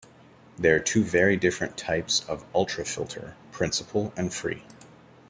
There are two very different types of ultrafilter: principal and free.